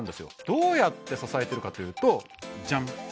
どうやって支えてるかというとじゃん